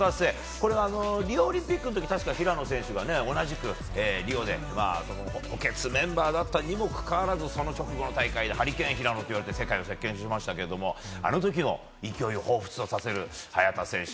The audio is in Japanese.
これはリオオリンピックの時に平野選手が同じく、補欠メンバーだったにもかかわらずその直後の大会でハリケーン平野といわれて世界を席巻しましたけどあの時の勢いをほうふつとさせる早田選手。